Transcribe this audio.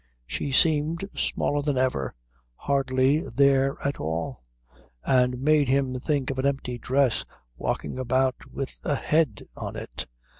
She seemed smaller than ever, hardly there at all, and made him think of an empty dress walking about with a head on it.